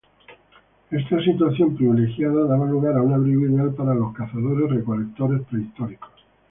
Esta situación privilegiada daba lugar a un abrigo ideal para los cazadores-recolectoress prehistóricos.